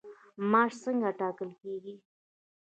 معاش څنګه ټاکل کیږي؟